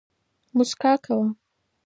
موسکا کوه